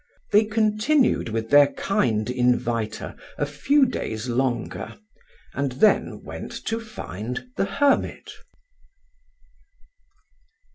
They continued with their kind inviter a few days longer, and then went to find the hermit.